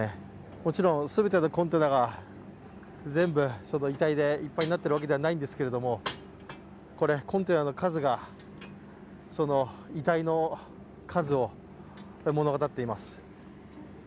もちろん全てのコンテナが全部遺体でいっぱいになっているわけではないんですけれどもコンテナの数が、遺体の数を物語っています。